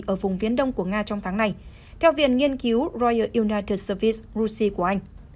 ở vùng viên đông của nga trong tháng này theo viện nghiên cứu royal united service russia của anh